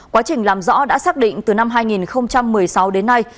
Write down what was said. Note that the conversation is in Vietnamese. quá trình làm rõ đã xác định từ năm hai nghìn một mươi sáu đến nay